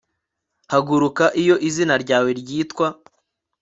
Haguruka iyo izina ryawe ryitwa